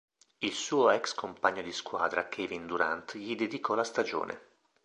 Il suo ex compagno di squadra Kevin Durant gli dedicò la stagione.